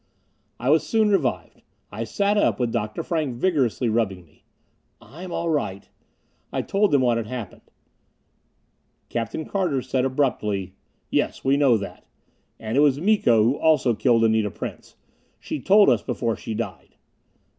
I was soon revived. I sat up, with Dr. Frank vigorously rubbing me. "I'm all right." I told them what had happened. Captain Carter said abruptly, "Yes, we know that. And it was Miko also who killed Anita Prince. She told us before she died."